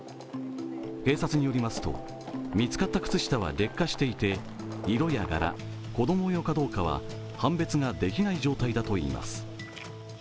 警察によりますと見つかった靴下は劣化していて色や柄、子供用かどうかは判別ができない状態だといいます。